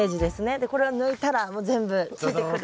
でこれを抜いたらもう全部ついてくる。